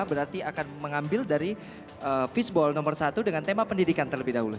berarti akan mengambil dari fishball nomor satu dengan tema pendidikan terlebih dahulu